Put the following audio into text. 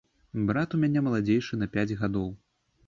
Брат у мяне маладзейшы на пяць гадоў.